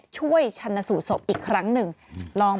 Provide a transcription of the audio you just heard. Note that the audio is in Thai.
ชันสูตรศพอีกครั้งหนึ่ง